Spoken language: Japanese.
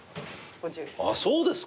あっそうですか。